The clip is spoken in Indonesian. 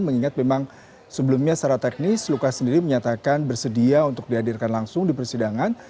mengingat memang sebelumnya secara teknis lukas sendiri menyatakan bersedia untuk dihadirkan langsung di persidangan